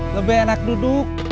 lebih enak duduk